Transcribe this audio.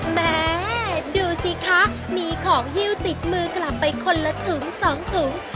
แม่ดูสิคะมีของฮิ้วติดมือกลับไปคนละถุง๒ถุง